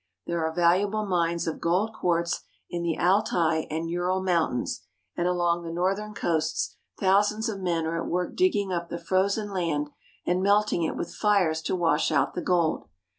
There are valuable mines of gold quartz in the Altai and Ural Mountains, and along the northern coasts thousands of men are at work digging up the frozen land and melting it with fires to wash out the gold.